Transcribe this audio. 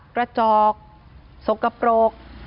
กระจอกสกปรก